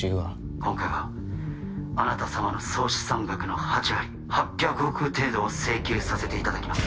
今回はあなたさまの総資産額の８割８００億程度を請求させていただきます